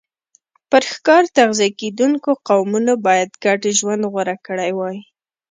پر ښکار تغذیه کېدونکو قومونو باید ګډ ژوند غوره کړی وای